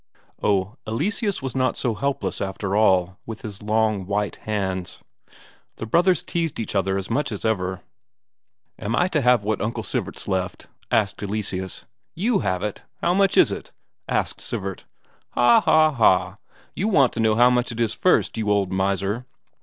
Oh, Eleseus was not so helpless after all, with his long, white hands. The brothers teased each other as much as ever. "Am I to have what Uncle Sivert's left?" asked Eleseus. "You have it? How much is it?" asked Sivert. "Ha ha ha, you want to know how much it is first, you old miser!"